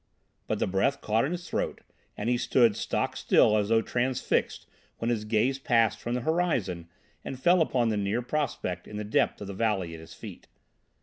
But the breath caught in his throat and he stood stockstill as though transfixed when his gaze passed from the horizon and fell upon the near prospect in the depth of the valley at his feet.